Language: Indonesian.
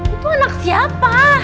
itu anak siapa